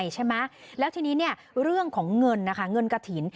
ก็และเรื่องกระถิ่น